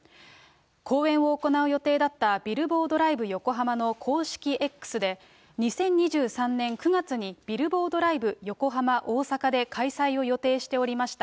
公演を行う予定だったビルボードライブ横浜の公式Ｘで、２０２３年９月に、ビルボードライブ横浜、大阪で開催を予定しておりました